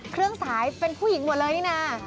เครื่องสายเป็นผู้หญิงหมดเลยนี่นะ